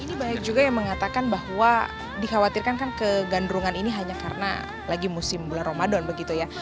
ini banyak juga yang mengatakan bahwa dikhawatirkan kan kegandrungan ini hanya karena lagi musim bulan ramadan begitu ya